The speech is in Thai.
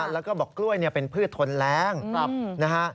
แล้วก็บอกกล้วยเป็นพืชทนแรงนะฮะ